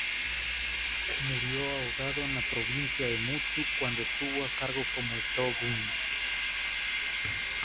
Murió ahogado en la provincia de Mutsu cuando estuvo al cargo como "shōgun".